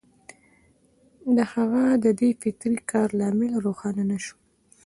د هغه د دې فطري کار لامل روښانه نه شو